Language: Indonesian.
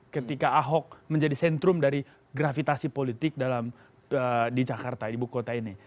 ketika ahok menjadi sentrum dari gravitasi politik di jakarta ibu kota ini